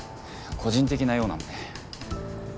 個人的な用なんで。